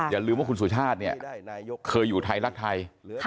อย่าลืมว่าคุณสุชาติเนี่ยเคยอยู่ไทยรักไทย